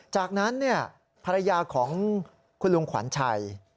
จากนั้นภรรยาของคุณลุงขวัญชัย